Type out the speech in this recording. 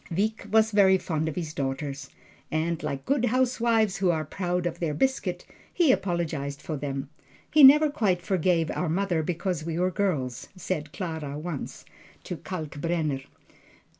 Wieck was very fond of his daughters, and like good housewives who are proud of their biscuit, he apologized for them. "He never quite forgave our mother because we were girls," said Clara once, to Kalkbrenner.